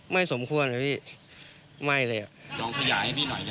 ไม่สมควรอ่ะพี่ไม่เลยอ่ะ